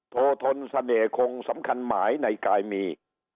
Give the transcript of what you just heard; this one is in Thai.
โทษทนเสน่หงสำคัญหมายในกายมี